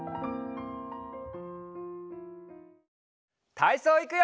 たいそういくよ！